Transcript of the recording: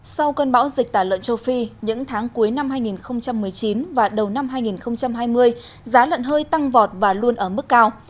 sau cơn bão dịch tả lợn châu phi những tháng cuối năm hai nghìn một mươi chín và đầu năm hai nghìn hai mươi giá lợn hơi tăng vọt và luôn ở mức cao